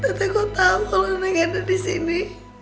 t e i s teteh kok tahu kalau nek ada di sini